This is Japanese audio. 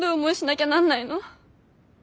ぎゃなんないの。